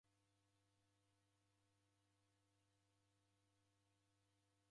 Idimei nifuye w'ughoma